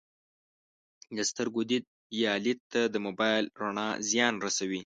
د سترګو دید یا لید ته د موبایل رڼا زیان رسوي